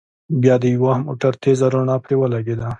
بيا د يوه موټر تېزه رڼا پرې ولګېده.